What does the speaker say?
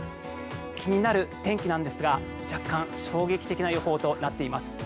気になる天気なんですが若干、衝撃的な予報となっています。